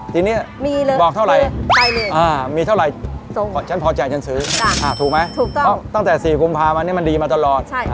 ปีนี้บอกเท่าไหร่อ่ามีเท่าไหร่ฉันพอจ่ายฉันซื้อถูกไหมตั้งแต่สี่กุมภาคมันนี่มันดีมาตลอด